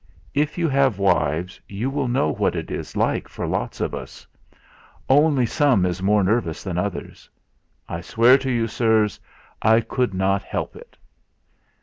If you have wives you will know what it is like for lots of us; only some is more nervous than others. I swear to you, sirs, I could not help it